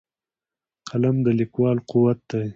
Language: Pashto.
قلم د لیکوال قوت دی